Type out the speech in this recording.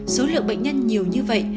số lượng bệnh nhân nhiều như vậy